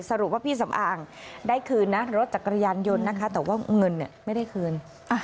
สรุปว่าพี่สำอางได้คืนนะรถจักรยานยนต์นะคะแต่ว่าเงินไม่ได้คืน